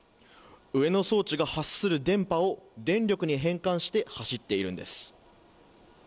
上の装置が発する電波を電力に変換して走っているんです。